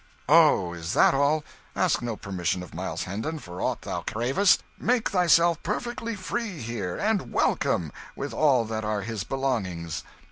"Oh, is that all? Ask no permission of Miles Hendon for aught thou cravest. Make thyself perfectly free here, and welcome, with all that are his belongings."